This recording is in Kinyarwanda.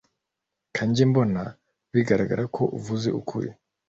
kuri njye mbona bigaragara ko uvuze ukuri